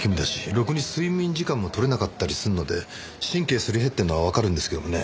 ろくに睡眠時間も取れなかったりするので神経すり減ってるのはわかるんですけどもね。